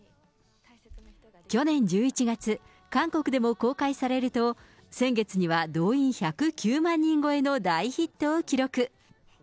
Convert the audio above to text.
去年１１月、韓国でも公開されると、先月には動員１０９万人超えの大ヒットを記録。